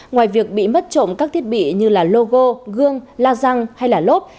ngoài việc bị mất trộm các thiết bị như logo gương la răng hay là lốp